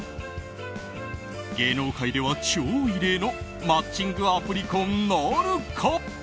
芸能界では超異例のマッチングアプリ婚なるか。